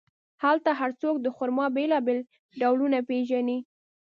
هلته هر څوک د خرما بیلابیل ډولونه پېژني.